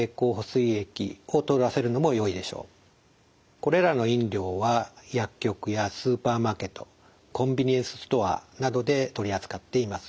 これらの飲料は薬局やスーパーマーケットコンビニエンスストアなどで取り扱っています。